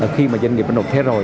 khi mà doanh nghiệp đã nộp thế rồi